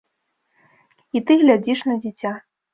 І ты глядзіш на дзіця.